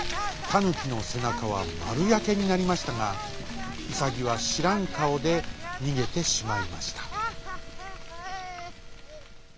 タヌキのせなかはまるやけになりましたがウサギはしらんかおでにげてしまいました。